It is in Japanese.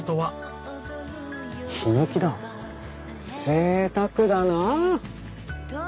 ぜいたくだなあ。